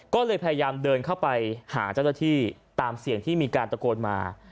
ก็เลยพยายามเดินเข้าไปหาเจ้าหน้าที่ตามเสียงที่มีการตะโกนมา